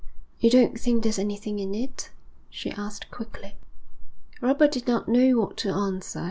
'You don't think there's anything in it?' she asked quickly. Robert did not know what to answer.